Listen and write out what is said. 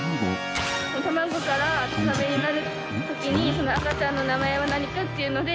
卵から燕になる時にその赤ちゃんの名前は何かっていうので。